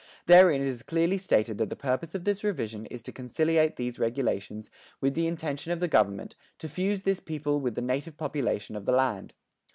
Therein it is clearly stated that the purpose of this revision is to conciliate these regulations with the intention of the government to fuse this people with the native population of the land.